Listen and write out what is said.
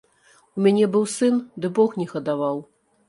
У мяне быў сын, ды бог не гадаваў.